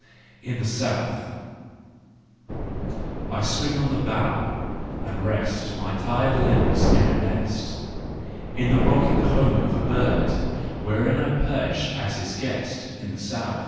IN THE SOUTH* I swing on a bough, and rest My tired limbs in a nest, * In the rocking home of a bird, Wherein I perch as his guest, In the South!